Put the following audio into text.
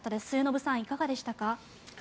末延さん、いかがでしたか。